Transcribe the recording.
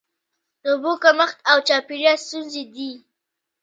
د اوبو کمښت او چاپیریال ستونزې دي.